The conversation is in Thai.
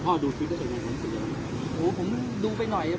ตอนนี้กำหนังไปคุยของผู้สาวว่ามีคนละตบ